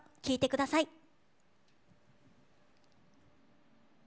聴いてください。